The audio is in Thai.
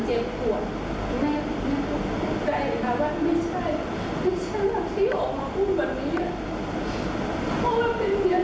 เป็นอาจารย์ของคนเป็นแม่ของคน